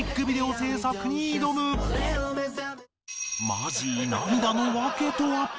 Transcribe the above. マジー涙の訳とは？